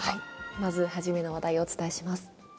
まず、最初の話題をお伝えします。